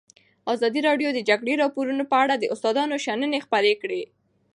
ازادي راډیو د د جګړې راپورونه په اړه د استادانو شننې خپرې کړي.